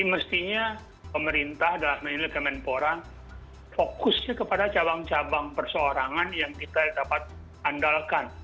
jadi mestinya pemerintah dan negeri kemenporan fokusnya kepada cabang cabang perseorangan yang kita dapat andalkan